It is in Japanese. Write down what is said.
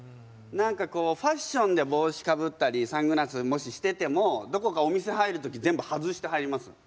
何かこうファッションで帽子かぶったりサングラスもししててもどこかお店入る時全部外して入ります。